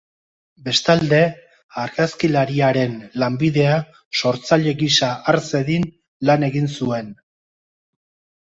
Bestalde, argazkilariaren lanbidea sortzaile gisa har zedin lan egin zuen.